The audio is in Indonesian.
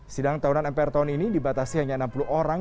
sidang tahunan mpr tahun ini dibatasi hanya enam puluh orang